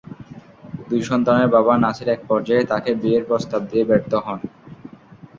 দুই সন্তানের বাবা নাসির একপর্যায়ে তাঁকে বিয়ের প্রস্তাব দিয়ে ব্যর্থ হন।